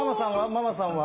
ママさんは？